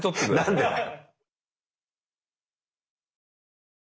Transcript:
何でだよ。